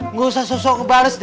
nggak usah sok sok ngebales deh